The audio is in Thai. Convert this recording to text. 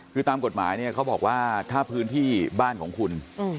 คือตามกฎหมายเนี่ยเขาบอกว่าถ้าพื้นที่บ้านของคุณ